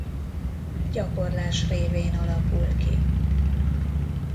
Gyakorlás révén alakul ki.